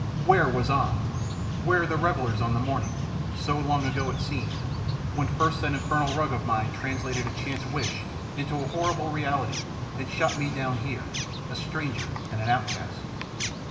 Where was An, where the revellers on the morning so long ago it seemed! when first that infernal rug of mine translated a chance wish into a horrible reality and shot me down here, a stranger and an outcast?